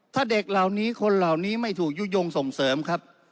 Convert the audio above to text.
ถ้าเด็กเหล่านี้คนเหล่านี้ไม่ถูกยุโยงส่งเสริมครับ